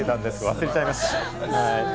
忘れちゃいました。